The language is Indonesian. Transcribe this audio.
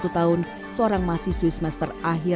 dua puluh satu tahun seorang masih swiss master akhir